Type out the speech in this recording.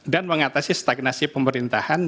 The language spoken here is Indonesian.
dan mengatasi stagnasi pemerintahan